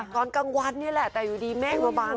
ตอนกลางวันนี่แหละแต่อยู่ดีแม่กบ้านบ้าน